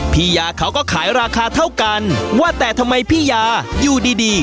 พี่ยาเขาก็ขายราคาเท่ากันว่าแต่ทำไมพี่ยาอยู่ดีดี